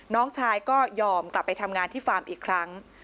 น้องชายก็ยอมกลับไปทำงานที่ฟาร์มอีกครั้ง